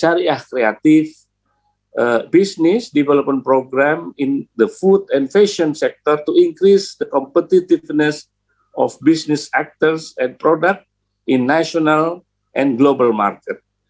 program pembangunan bisnis di sektor makanan dan fesyen untuk meningkatkan kompetitiveness of business actors and product in national and global market